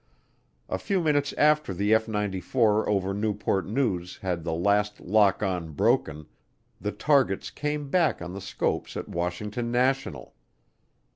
A few minutes after the F 94 over Newport News had the last lock on broken, the targets came back on the scopes at Washington National.